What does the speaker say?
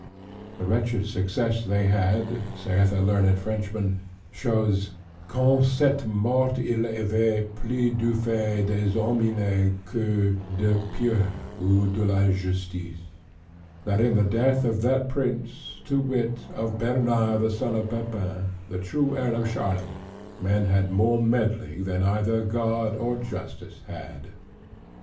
The wretched success they had (saith a learned Frenchman) shows, "que en ceste mort il y avait plus du fait des homines que de Pieu, ou de la justice": "that in the death of that Prince, to wit, of Bernard the son of Pepin, the true heir of Charlemagne, men had more meddling than either God or justice had."